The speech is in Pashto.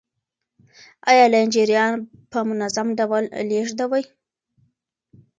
آیا لین جریان په منظم ډول لیږدوي؟